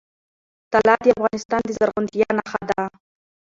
طلا د افغانستان د زرغونتیا نښه ده.